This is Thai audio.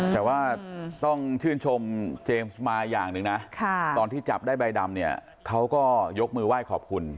แต่ว่าต้องชื่นชมเจมส์มาอย่างหนึ่งนะตอนที่จับได้ใบดำเนี่ยเขาก็ยกมือไหว้ขอบคุณ